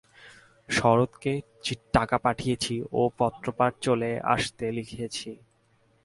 শরৎকে টাকা পাঠিয়েছি ও পত্রপাঠ চলে আসতে লিখেছি।